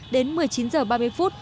đến một mươi chín h ba mươi phút